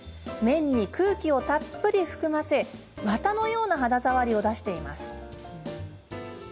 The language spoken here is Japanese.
綿に空気をたっぷり含ませわたのような肌触りを出しています。